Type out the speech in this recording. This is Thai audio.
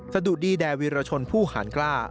สะดุดีแด่วีรชนผู้หารกล้า